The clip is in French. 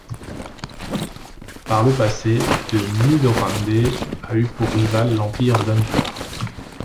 Par le passé, la Mulhorande a eu pour rival l'empire d'Unther.